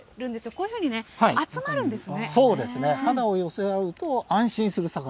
こういうふうに、集まるんですね。